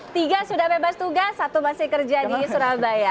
tiga sudah bebas tugas satu masih kerja di surabaya